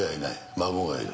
孫がいる。